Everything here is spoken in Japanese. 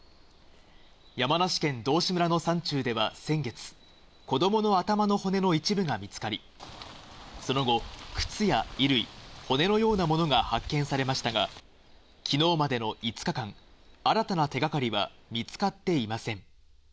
山梨県道志村の山中では先月、子供の頭の骨の一部が見つかり、その後、靴や衣類、骨のようなものが発見されましたが、昨日までの５日間新たな手がかりは見つかっていません。